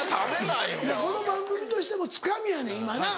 この番組としてもつかみやねん今な。